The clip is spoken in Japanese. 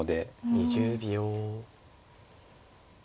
２０秒。